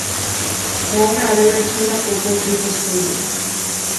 بەزى ئادەملەر شۇنداق ھوقۇقىنى پەش قىلىدۇ.